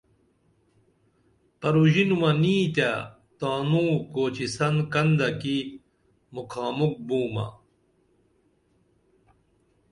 پروژینُمہ نی تیہ تانو کوچیسن کندہ کی مُکھا مُکھ بومہ